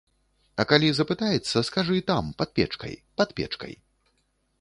А калі запытаецца, скажы, там, пад печкай, пад печкай.